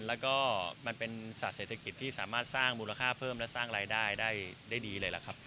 แล้วก็มันเป็นสัตว์เศรษฐกิจที่สามารถสร้างมูลค่าเพิ่มและสร้างรายได้ได้ดีเลยล่ะครับ